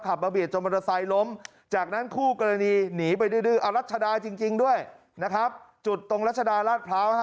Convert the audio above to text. คือเอารัชดาจริงด้วยนะครับจุดตรงรัชดาราชพร้าวฮะ